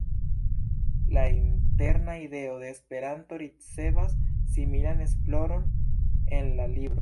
La interna ideo de Esperanto ricevas similan esploron en la libro.